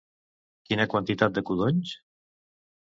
Quina quantitat de codonys?